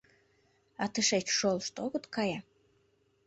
А тышеч шолышт огыт кае?